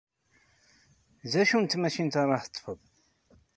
D acu n tmacint ara teḍḍfeḍ?